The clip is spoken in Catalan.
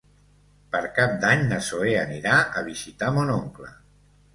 Per Cap d'Any na Zoè anirà a visitar mon oncle.